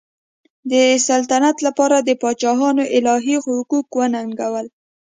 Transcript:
د سلطنت لپاره د پاچاهانو الهي حقوق وننګول.